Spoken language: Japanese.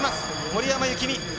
森山幸美